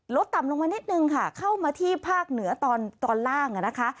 ต่ำลงมานิดนึงค่ะเข้ามาที่ภาคเหนือตอนตอนล่างนะคะ